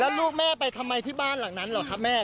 แล้วลูกแม่ไปทำไมที่บ้านหลังนั้นเหรอครับแม่